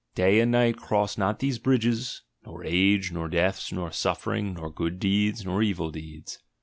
Day and night cross not these bridges, nor ge, nor death, nor suffering, nor good deeds, nor evil eeds."